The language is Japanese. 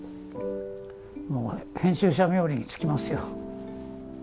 もう編集者冥利に尽きますよ。